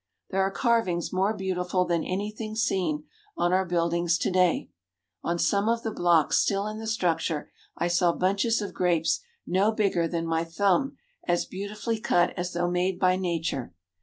There are carvings more beautiful than anything seen on our buildings to day. On some of the blocks still in the structure I saw bunches of grapes no bigger than my thumb as beautifully cut as though made by nature.